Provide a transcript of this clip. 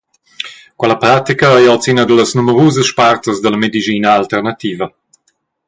Quella pratica ei oz ina dallas numerusas spartas dalla medischina alternativa.